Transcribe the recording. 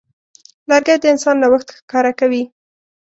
لرګی د انسان نوښت ښکاره کوي.